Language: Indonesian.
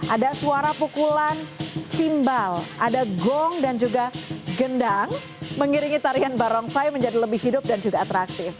ada suara pukulan simbal ada gong dan juga gendang mengiringi tarian barongsai menjadi lebih hidup dan juga atraktif